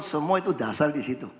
semua itu dasar disitu